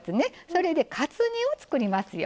それでカツ煮を作りますよ。